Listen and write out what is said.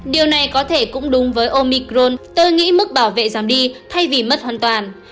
điều này có thể cũng đúng với omicron tôi nghĩ mức bảo vệ giảm đi thay vì mất hoàn toàn